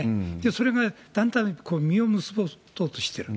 それがだんだん実を結ぼうとしている。